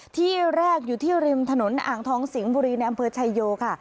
ที่แรกอยู่ที่ริมถนนอ่างทองสิงห์บุรีในอำเภอชายโยค่ะ